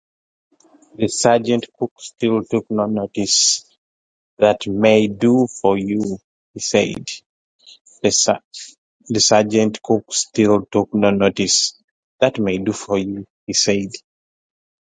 The sergeant-cook still took no notice. “That may do for you,” he said.